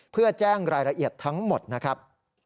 เพื่อแจ้งรายละเอียดทั้งหมดนะครับ